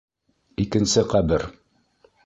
Икенсе ҡәбер.